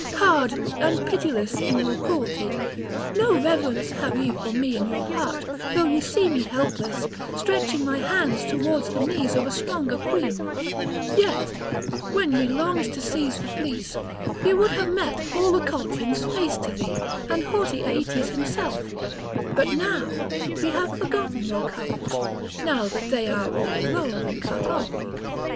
Hard and pitiless in your cruelty! No reverence have ye for me in your heart though ye see me helpless, stretching my hands towards the knees of a stranger queen; yet, when ye longed to seize the fleece, ye would have met all the Colchians face to thee and haughty Aeetes himself; but now ye have forgotten your courage, now that they are all alone and cut off."